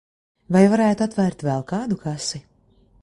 Vai varētu atvērt vēl kādu kasi?